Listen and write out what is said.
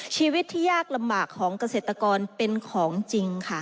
ชีวิตที่ยากลำบากของเกษตรกรเป็นของจริงค่ะ